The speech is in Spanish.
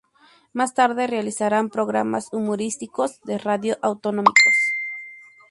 Más tarde realizarían programas humorísticos de radio autonómicos.